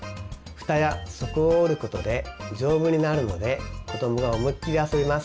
フタや底を折ることで丈夫になるので子どもが思いっきり遊べます。